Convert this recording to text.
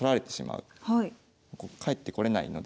帰ってこれないので。